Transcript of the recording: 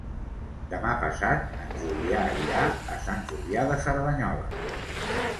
Demà passat en Julià irà a Sant Julià de Cerdanyola.